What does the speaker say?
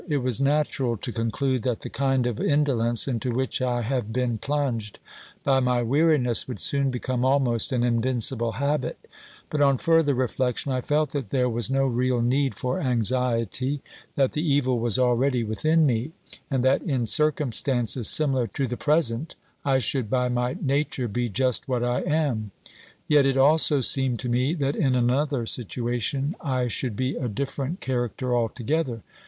It was natural to con clude that the kind of indolence into which I have been plunged by my weariness would soon become almost an invincible habit ; but on further reflection I felt that there was no real need for anxiety, that the evil was already within me, and that in circumstances similar to the present I should by my nature be just what I am. Yet it also seemed to me that in another situation I should be a dif ferent character altogether.